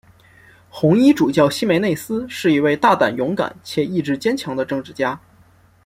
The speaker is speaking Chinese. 红衣主教希梅内斯是一位大胆勇敢且意志坚强的政治家。